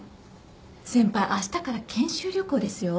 先輩あしたから研修旅行ですよ。